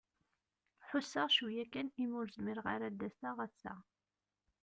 Ḥuseɣ cwiya kan i mi ur zmireɣ ara ad d-aseɣ ass-a.